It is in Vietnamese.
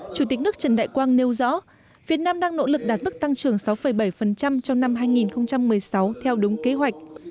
chủ tịch nước trần đại quang nêu rõ việt nam đang nỗ lực đạt mức tăng trưởng sáu bảy trong năm hai nghìn một mươi sáu theo đúng kế hoạch